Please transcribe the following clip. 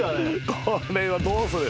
これはどうする？